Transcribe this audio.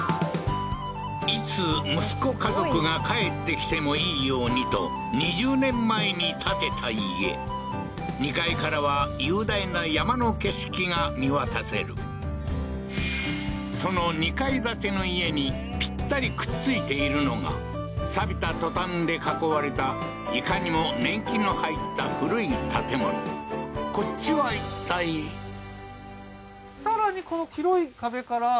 いつ息子家族が帰ってきてもいいようにと２０年前に建てた家２階からは雄大な山の景色が見渡せるその２階建ての家にピッタリくっ付いているのが錆びたトタンで囲われたいかにも年季の入った古い建物こっちはいったいあっ